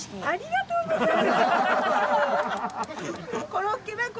ありがとうございます。